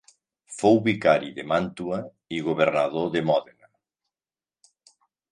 Fou vicari de Màntua i governador de Mòdena.